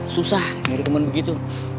susah jadi temen begitu